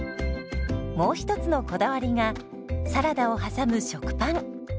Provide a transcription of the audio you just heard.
もう一つのこだわりがサラダを挟む食パン。